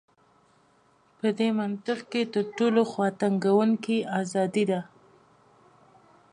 په دې منطق کې تر ټولو خواتنګوونکې ازادي ده.